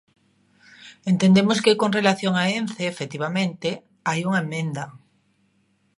Entendemos que con relación a Ence, efectivamente, hai unha emenda.